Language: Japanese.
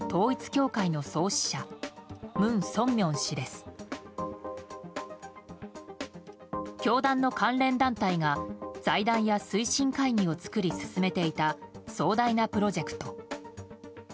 教団の関連団体が財団や推進会議を作り進めていた壮大なプロジェクト。